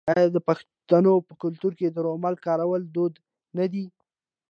آیا د پښتنو په کلتور کې د رومال کارول دود نه دی؟